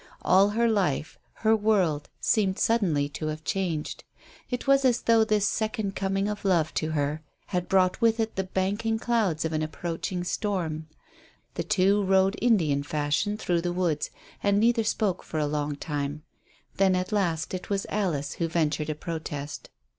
All her life her world seemed suddenly to have changed. It was as though this second coming of love to her had brought with it the banking clouds of an approaching storm. The two rode Indian fashion through the woods, and neither spoke for a long time; then, at last, it was Alice who ventured a protest.